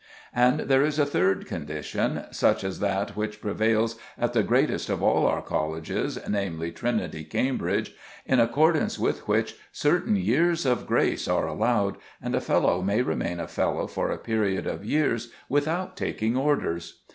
And there is a third condition, such as that which prevails at the greatest of all our colleges, namely, Trinity, Cambridge, in accordance with which certain years of grace are allowed, and a fellow may remain a fellow for a period of years without taking orders.